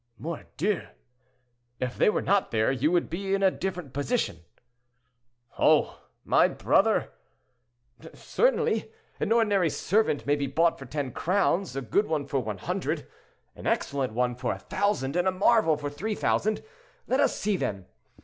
"Mordieu! If they were not there, you would be in a different position." "Oh! my brother!" "Certainly. An ordinary servant may be bought for ten crowns, a good one for 100, an excellent one for 1,000, and a marvel for 3,000. Let us see, then.